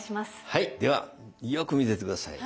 はいではよく見ててください。